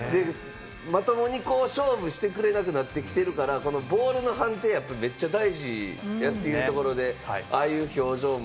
まともに勝負してくれなくなってきてるから、ボールの判定、めっちゃ大事というところで、ああいう表情も。